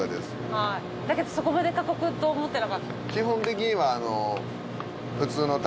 はいだけどそこまで過酷と思ってなかった。